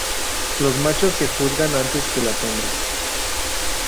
Los machos se juzgan antes que las hembras.